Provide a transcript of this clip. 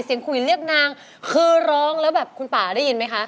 คุยเรียกนางคือร้องแล้วแบบคุณป่าได้ยินไหมคะ